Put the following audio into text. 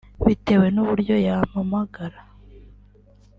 Bitewe n’uburyo yampamagara